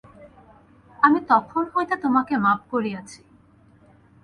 আমি তখন হইতে তোমাকে মাপ করিয়াছি।